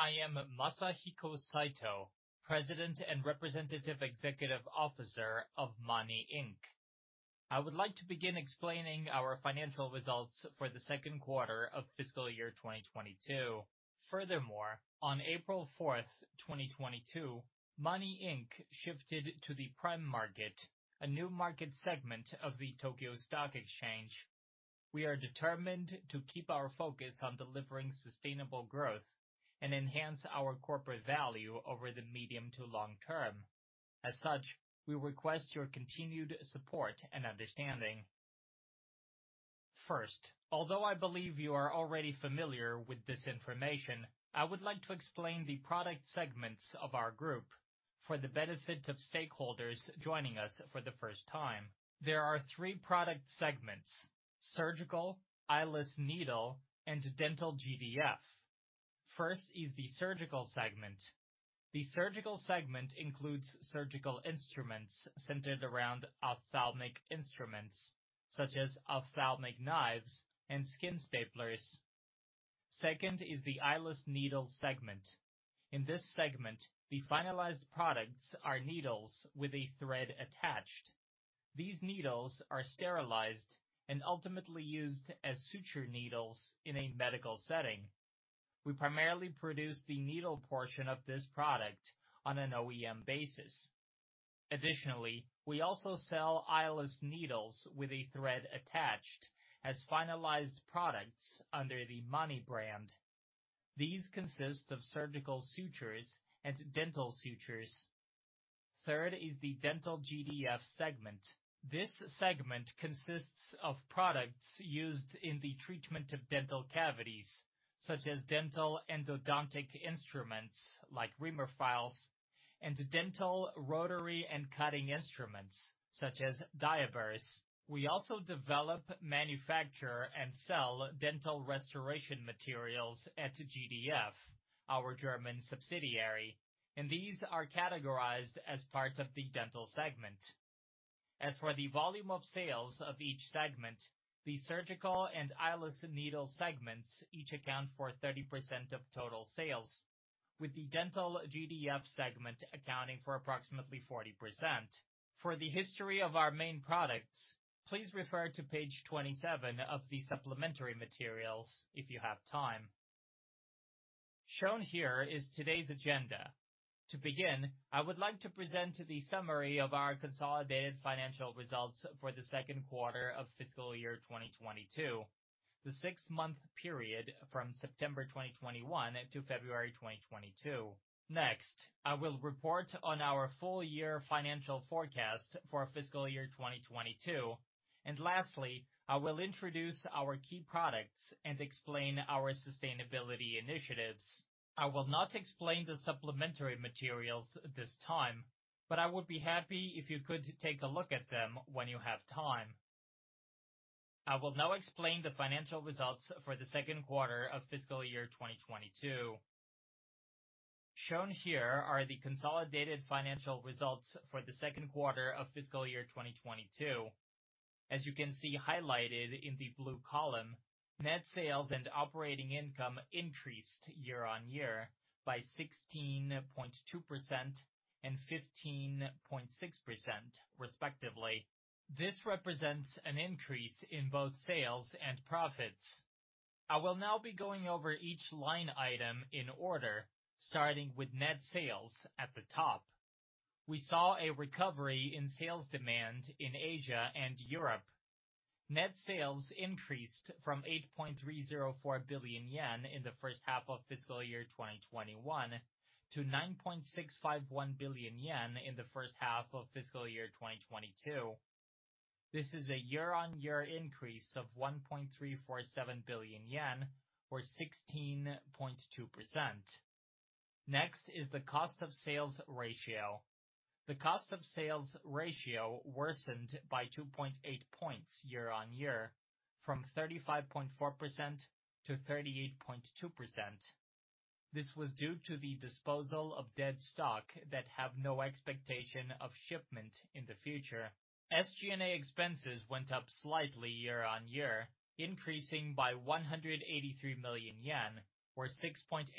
I am Masahiko Saito, President and Representative Executive Officer of MANI, INC. I would like to begin explaining our financial results for the second quarter of fiscal year 2022. Furthermore, on April 4th, 2022, MANI, INC. shifted to the Prime Market, a new market segment of the Tokyo Stock Exchange. We are determined to keep our focus on delivering sustainable growth and enhance our corporate value over the medium to long term. As such, we request your continued support and understanding. First, although I believe you are already familiar with this information, I would like to explain the product segments of our group for the benefit of stakeholders joining us for the first time. There are three product segments: Surgical, Eyeless Needle, and Dental GDF. First is the Surgical segment. The Surgical segment includes surgical instruments centered around ophthalmic instruments, such as ophthalmic knives and skin staplers. Second is the Eyeless Needle segment. In this segment, the finalized products are needles with a thread attached. These needles are sterilized and ultimately used as suture needles in a medical setting. We primarily produce the needle portion of this product on an OEM basis. Additionally, we also sell eyeless needles with a thread attached as finalized products under the MANI brand. These consist of surgical sutures and dental sutures. Third is the Dental GDF segment. This segment consists of products used in the treatment of dental cavities, such as dental endodontic instruments like reamer files and dental rotary and cutting instruments such as dia burs. We also develop, manufacture, and sell dental restoration materials at GDF, our German subsidiary, and these are categorized as part of the dental segment. As for the volume of sales of each segment, the Surgical and Eyeless Needle segments each account for 30% of total sales, with the Dental GDF segment accounting for approximately 40%. For the history of our main products, please refer to page 27 of the supplementary materials if you have time. Shown here is today's agenda. To begin, I would like to present the summary of our consolidated financial results for the second quarter of fiscal year 2022, the six-month period from September 2021 to February 2022. Next, I will report on our full year financial forecast for fiscal year 2022, and lastly, I will introduce our key products and explain our sustainability initiatives. I will not explain the supplementary materials this time, but I would be happy if you could take a look at them when you have time. I will now explain the financial results for the second quarter of fiscal year 2022. Shown here are the consolidated financial results for the second quarter of fiscal year 2022. As you can see highlighted in the blue column, net sales and operating income increased year-on-year by 16.2% and 15.6% respectively. This represents an increase in both sales and profits. I will now be going over each line item in order, starting with net sales at the top. We saw a recovery in sales demand in Asia and Europe. Net sales increased from 8.304 billion yen in the first half of fiscal year 2021 to 9.651 billion yen in the first half of fiscal year 2022. This is a year-on-year increase of 1.347 billion yen, or 16.2%. Next is the cost of sales ratio. The cost of sales ratio worsened by 2.8 points year-on-year from 35.4%-38.2%. This was due to the disposal of dead stock that have no expectation of shipment in the future. SG&A expenses went up slightly year-on-year, increasing by 183 million yen, or 6.8%.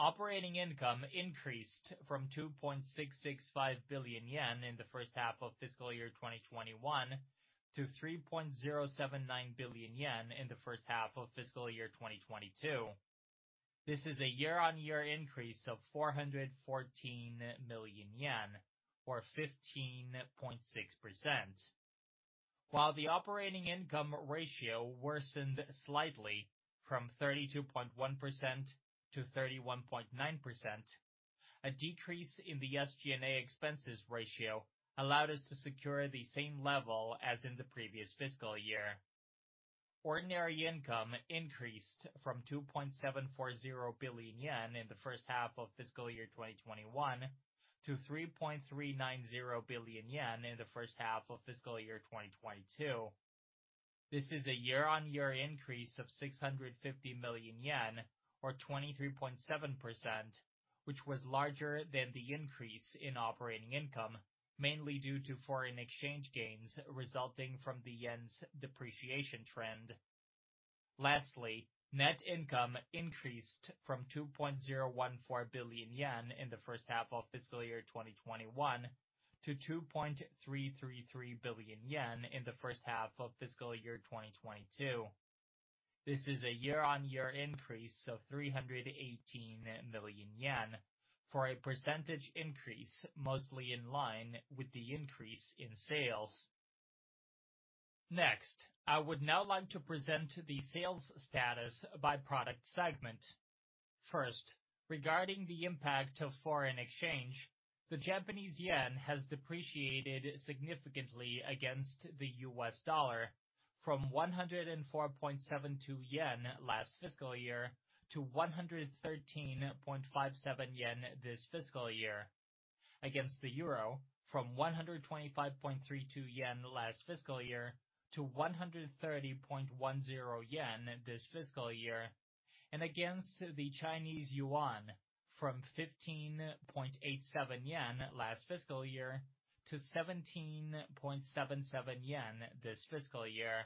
Operating income increased from 2.665 billion yen in the first half of fiscal year 2021 to 3.079 billion yen in the first half of fiscal year 2022. This is a year-on-year increase of 414 million yen, or 15.6%. While the operating income ratio worsened slightly from 32.1%-31.9%, a decrease in the SG&A expenses ratio allowed us to secure the same level as in the previous fiscal year. Ordinary income increased from 2.740 billion yen in the first half of fiscal year 2021 to 3.390 billion yen in the first half of fiscal year 2022. This is a year-on-year increase of 650 million yen or 23.7%, which was larger than the increase in operating income, mainly due to foreign exchange gains resulting from the yen's depreciation trend. Lastly, net income increased from 2.014 billion yen in the first half of fiscal year 2021 to 2.333 billion yen in the first half of fiscal year 2022. This is a year-on-year increase of 318 million yen for a percentage increase mostly in line with the increase in sales. Next, I would now like to present the sales status by product segment. First, regarding the impact of foreign exchange, the Japanese yen has depreciated significantly against the U.S. dollar from 104.72 yen last fiscal year to 113.57 yen this fiscal year. Against the euro, from 125.32 yen last fiscal year to 130.10 yen this fiscal year. Against the Chinese yuan, from 15.87 yen last fiscal year to 17.77 yen this fiscal year.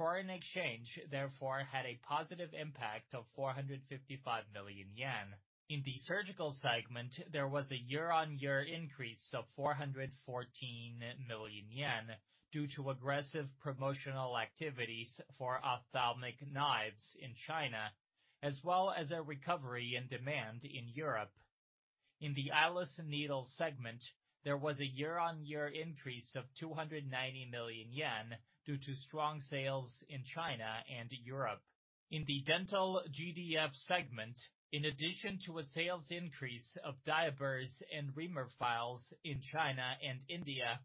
Foreign exchange therefore had a positive impact of 455 million yen. In the surgical segment, there was a year-on-year increase of 414 million yen due to aggressive promotional activities for ophthalmic knives in China, as well as a recovery in demand in Europe. In the Eyeless Needle segment, there was a year-on-year increase of 290 million yen due to strong sales in China and Europe. In the Dental GDF segment, in addition to a sales increase of dia burs and reamer files in China and India,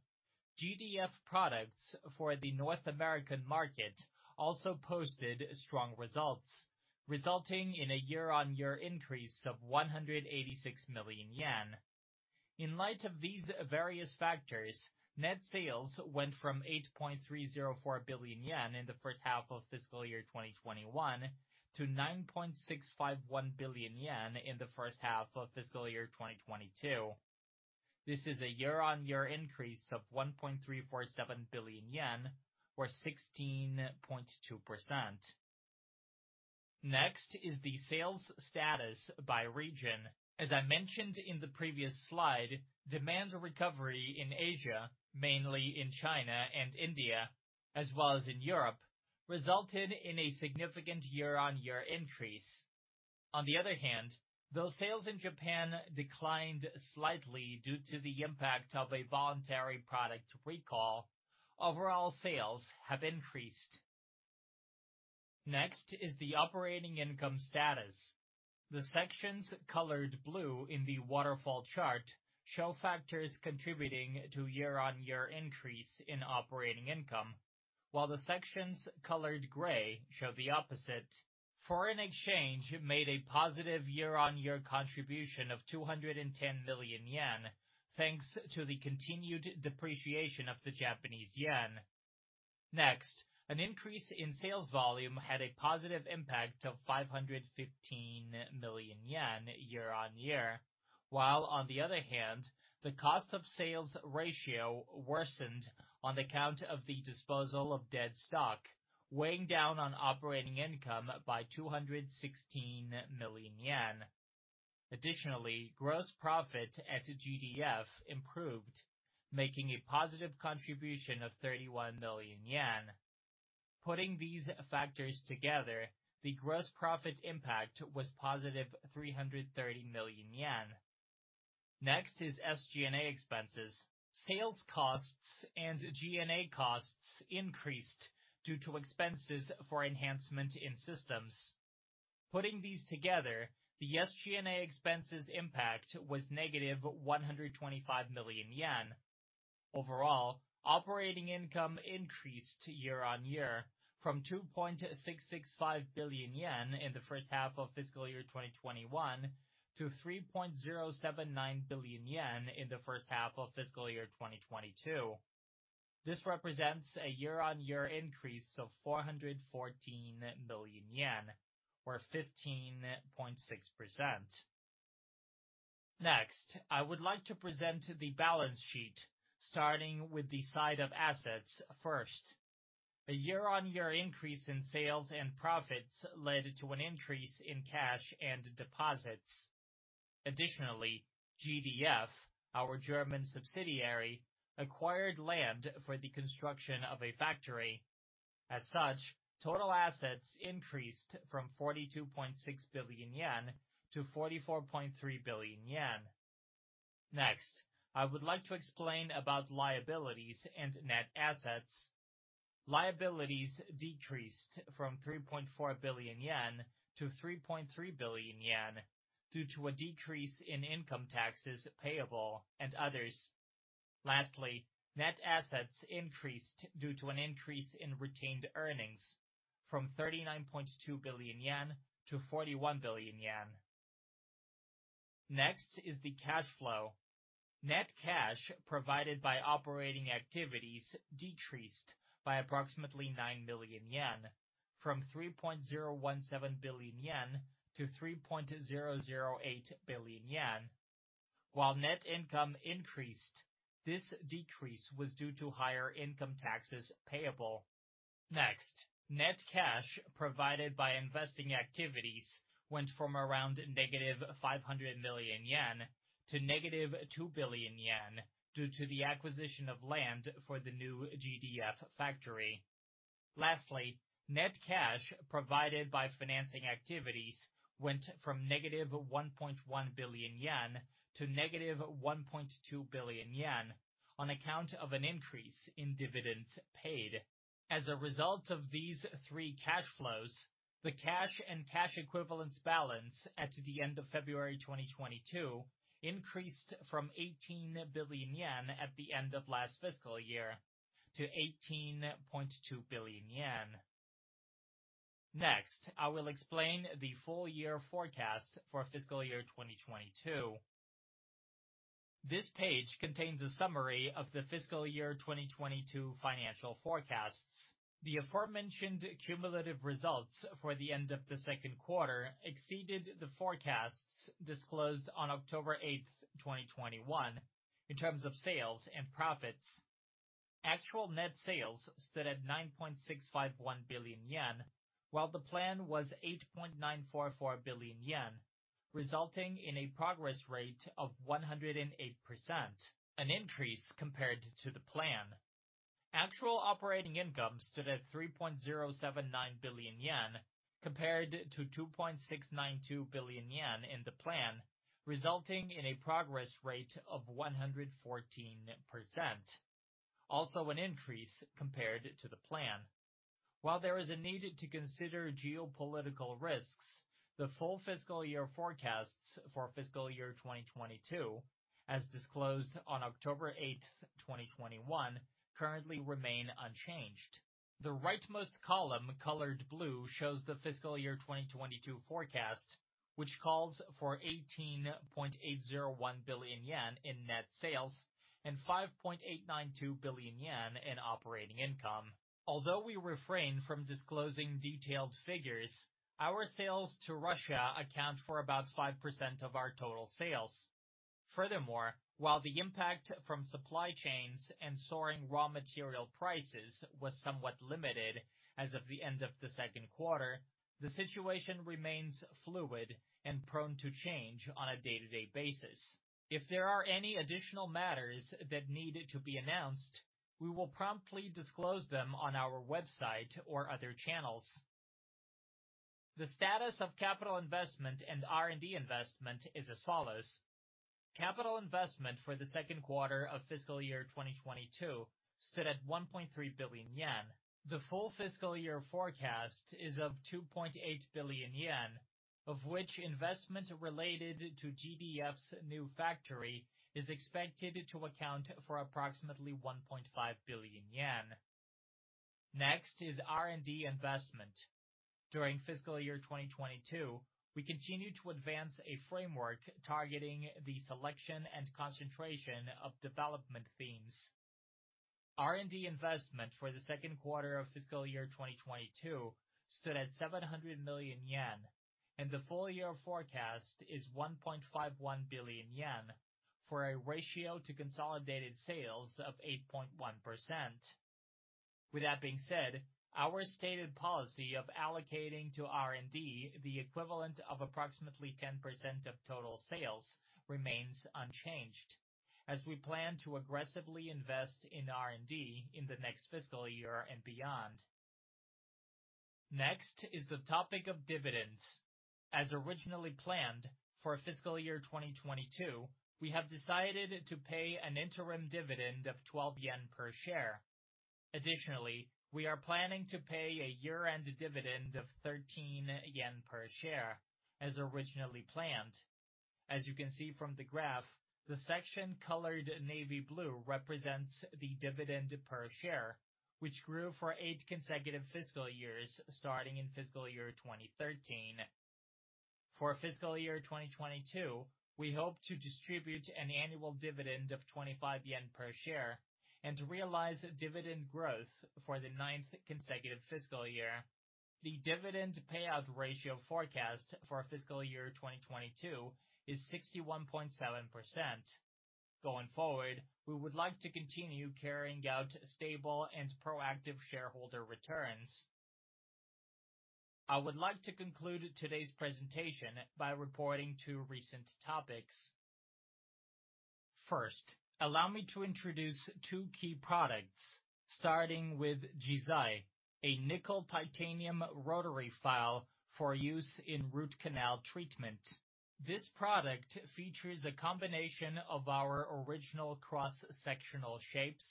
GDF products for the North American market also posted strong results, resulting in a year-on-year increase of 186 million yen. In light of these various factors, net sales went from 8.304 billion yen in the first half of fiscal year 2021 to 9.651 billion yen in the first half of fiscal year 2022. This is a year-on-year increase of 1.347 billion yen, or 16.2%. Next is the sales status by region. As I mentioned in the previous slide, demand recovery in Asia, mainly in China and India as well as in Europe, resulted in a significant year-on-year increase. On the other hand, those sales in Japan declined slightly due to the impact of a voluntary product recall. Overall sales have increased. Next is the operating income status. The sections colored blue in the waterfall chart show factors contributing to year-on-year increase in operating income, while the sections colored gray show the opposite. Foreign exchange made a positive year-on-year contribution of 210 million yen, thanks to the continued depreciation of the Japanese yen. Next, an increase in sales volume had a positive impact of 515 million yen year-on-year, while on the other hand, the cost of sales ratio worsened on account of the disposal of dead stock, weighing down on operating income by 216 million yen. Additionally, gross profit at GDF improved, making a positive contribution of 31 million yen. Putting these factors together, the gross profit impact was +330 million yen. Next is SG&A expenses. Sales costs and G&A costs increased due to expenses for enhancement in systems. Putting these together, the SG&A expenses impact was -125 million yen. Overall, operating income increased year-on-year from 2.665 billion yen in the first half of fiscal year 2021 to 3.079 billion yen in the first half of fiscal year 2022. This represents a year-on-year increase of 414 million yen, or 15.6%. Next, I would like to present the balance sheet, starting with the side of assets first. A year-on-year increase in sales and profits led to an increase in cash and deposits. Additionally, GDF, our German subsidiary, acquired land for the construction of a factory. As such, total assets increased from 42.6 billion yen to 44.3 billion yen. Next, I would like to explain about liabilities and net assets. Liabilities decreased from 3.4 billion yen to 3.3 billion yen due to a decrease in income taxes payable and others. Lastly, net assets increased due to an increase in retained earnings from 39.2 billion yen to 41 billion yen. Next is the cash flow. Net cash provided by operating activities decreased by approximately 9 million yen from 3.017 billion yen to 3.008 billion yen. While net income increased, this decrease was due to higher income taxes payable. Next, net cash provided by investing activities went from around -500 million yen to -2 billion yen due to the acquisition of land for the new GDF factory. Lastly, net cash provided by financing activities went from -1.1 billion yen to -1.2 billion yen on account of an increase in dividends paid. As a result of these three cash flows, the cash and cash equivalents balance at the end of February 2022 increased from 18 billion yen at the end of last fiscal year to 18.2 billion yen. Next, I will explain the full year forecast for fiscal year 2022. This page contains a summary of the fiscal year 2022 financial forecasts. The aforementioned cumulative results for the end of the second quarter exceeded the forecasts disclosed on October 8th, 2021, in terms of sales and profits. Actual net sales stood at 9.651 billion yen, while the plan was 8.944 billion yen, resulting in a progress rate of 108%, an increase compared to the plan. Actual operating income stood at 3.079 billion yen compared to 2.692 billion yen in the plan, resulting in a progress rate of 114%, also an increase compared to the plan. While there is a need to consider geopolitical risks, the full fiscal year forecasts for fiscal year 2022, as disclosed on October 8th, 2021, currently remain unchanged. The rightmost column colored blue shows the fiscal year 2022 forecast, which calls for 18.801 billion yen in net sales and 5.892 billion yen in operating income. Although we refrain from disclosing detailed figures, our sales to Russia account for about 5% of our total sales. Furthermore, while the impact from supply chains and soaring raw material prices was somewhat limited as of the end of the second quarter, the situation remains fluid and prone to change on a day-to-day basis. If there are any additional matters that need to be announced, we will promptly disclose them on our website or other channels. The status of capital investment and R&D investment is as follows. Capital investment for the second quarter of fiscal year 2022 stood at 1.3 billion yen. The full fiscal year forecast is of 2.8 billion yen, of which investment related to GDF's new factory is expected to account for approximately 1.5 billion yen. Next is R&D investment. During fiscal year 2022, we continue to advance a framework targeting the selection and concentration of development themes. R&D investment for the second quarter of fiscal year 2022 stood at 700 million yen, and the full year forecast is 1.51 billion yen for a ratio to consolidated sales of 8.1%. With that being said, our stated policy of allocating to R&D the equivalent of approximately 10% of total sales remains unchanged as we plan to aggressively invest in R&D in the next fiscal year and beyond. Next is the topic of dividends. As originally planned for fiscal year 2022, we have decided to pay an interim dividend of 12 yen per share. Additionally, we are planning to pay a year-end dividend of 13 yen per share as originally planned. As you can see from the graph, the section colored navy blue represents the dividend per share, which grew for eight consecutive fiscal years starting in fiscal year 2013. For fiscal year 2022, we hope to distribute an annual dividend of 25 yen per share and realize dividend growth for the ninth consecutive fiscal year. The dividend payout ratio forecast for fiscal year 2022 is 61.7%. Going forward, we would like to continue carrying out stable and proactive shareholder returns. I would like to conclude today's presentation by reporting two recent topics. First, allow me to introduce two key products, starting with JIZAI, a nickel titanium rotary file for use in root canal treatment. This product features a combination of our original cross-sectional shapes,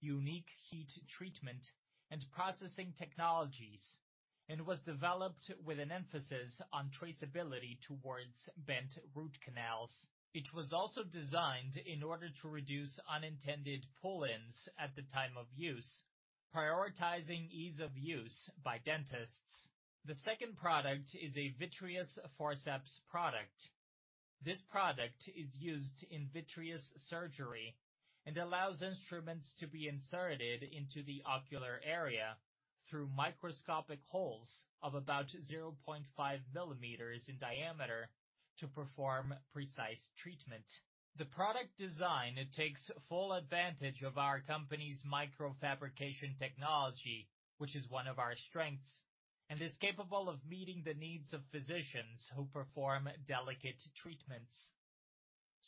unique heat treatment, and processing technologies, and was developed with an emphasis on traceability towards bent root canals. It was also designed in order to reduce unintended pull-ins at the time of use, prioritizing ease of use by dentists. The second product is a vitreous forceps product. This product is used in vitreous surgery and allows instruments to be inserted into the ocular area through microscopic holes of about 0.5 mm in diameter to perform precise treatment. The product design takes full advantage of our company's microfabrication technology, which is one of our strengths, and is capable of meeting the needs of physicians who perform delicate treatments.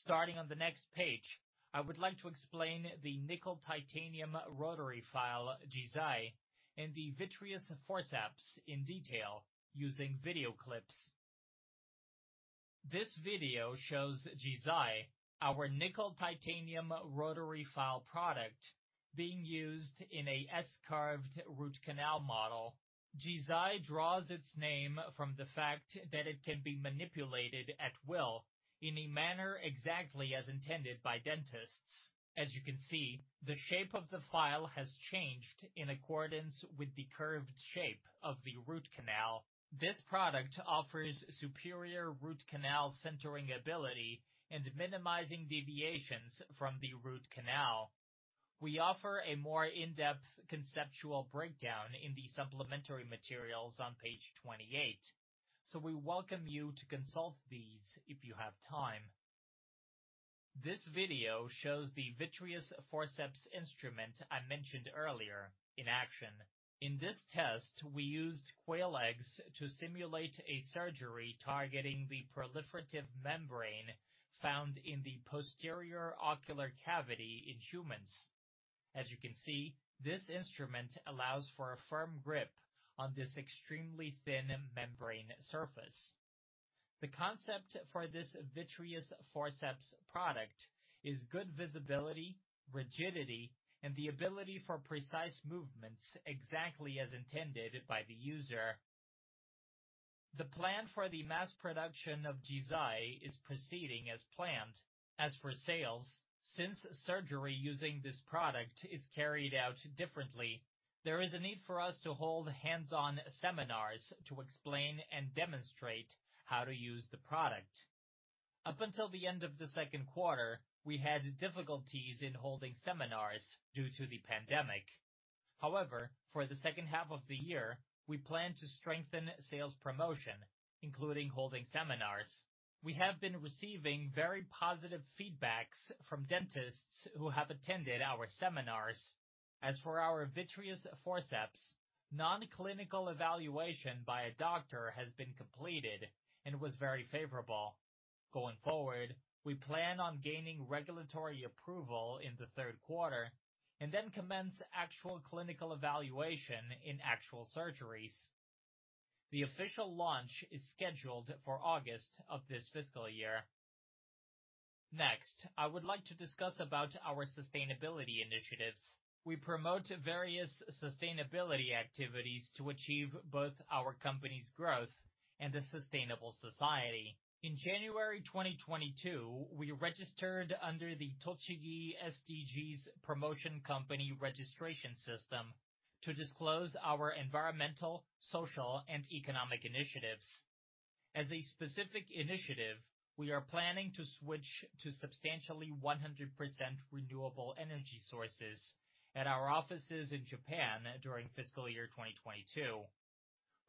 Starting on the next page, I would like to explain the nickel titanium rotary file, JIZAI, and the vitreous forceps in detail using video clips. This video shows JIZAI, our nickel titanium rotary file product being used in an S-curved root canal model. JIZAI draws its name from the fact that it can be manipulated at will in a manner exactly as intended by dentists. As you can see, the shape of the file has changed in accordance with the curved shape of the root canal. This product offers superior root canal centering ability and minimizing deviations from the root canal. We offer a more in-depth conceptual breakdown in the supplementary materials on page 28, so we welcome you to consult these if you have time. This video shows the vitreous forceps instrument I mentioned earlier in action. In this test, we used quail eggs to simulate a surgery targeting the proliferative membrane found in the posterior ocular cavity in humans. As you can see, this instrument allows for a firm grip on this extremely thin membrane surface. The concept for this vitreous forceps product is good visibility, rigidity, and the ability for precise movements exactly as intended by the user. The plan for the mass production of JIZAI is proceeding as planned. As for sales, since surgery using this product is carried out differently, there is a need for us to hold hands-on seminars to explain and demonstrate how to use the product. Up until the end of the second quarter, we had difficulties in holding seminars due to the pandemic. However, for the second half of the year, we plan to strengthen sales promotion, including holding seminars. We have been receiving very positive feedback from dentists who have attended our seminars. As for our vitreous forceps, non-clinical evaluation by a doctor has been completed and was very favorable. Going forward, we plan on gaining regulatory approval in the third quarter and then commence actual clinical evaluation in actual surgeries. The official launch is scheduled for August of this fiscal year. Next, I would like to discuss about our sustainability initiatives. We promote various sustainability activities to achieve both our company's growth and a sustainable society. In January 2022, we registered under the Tochigi SDGs Promotion Company Registration System to disclose our environmental, social, and economic initiatives. As a specific initiative, we are planning to switch to substantially 100% renewable energy sources at our offices in Japan during fiscal year 2022.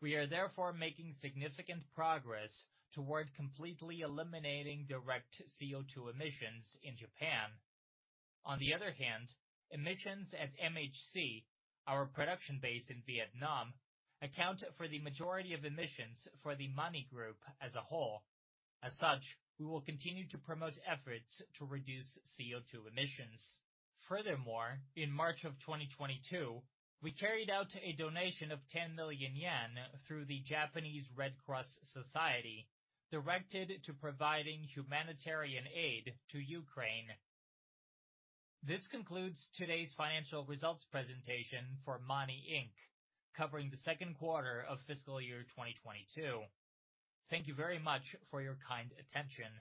We are therefore making significant progress toward completely eliminating direct CO2 emissions in Japan. On the other hand, emissions at MHC, our production base in Vietnam, account for the majority of emissions for the MANI Group as a whole. As such, we will continue to promote efforts to reduce CO2 emissions. Furthermore, in March of 2022, we carried out a donation of 10 million yen through the Japanese Red Cross Society, directed to providing humanitarian aid to Ukraine. This concludes today's financial results presentation for MANI INC., covering the second quarter of fiscal year 2022. Thank you very much for your kind attention.